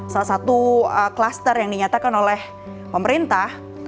salah satu kluster yang dinyatakan oleh pemerintah